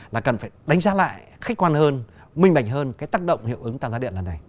là cần phải đánh giá lại khách quan hơn minh bạch hơn cái tác động hiệu ứng tăng giá điện lần này